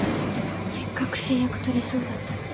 せっかく成約取れそうだったのに。